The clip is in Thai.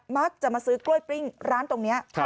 มักจะมาซื้อกล้วยปิ้งร้านตรงนี้